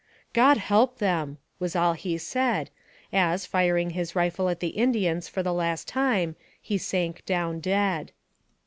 " God help them !" was all he said, as, firing his rifle at the Indians for the last time, he sank down dead.